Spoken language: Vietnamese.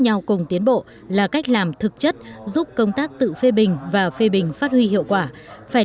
nhau cùng tiến bộ là cách làm thực chất giúp công tác tự phê bình và phê bình phát huy hiệu quả phải